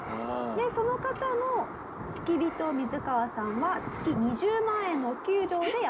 でその方の付き人をミズカワさんは月２０万円のお給料でやっていると。